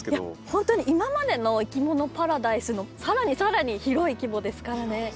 本当に今までの「いきものパラダイス」のさらにさらに広い規模ですからね。